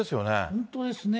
本当ですね。